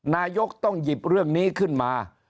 นายกต้องหยิบเรื่องนี้ขึ้นมา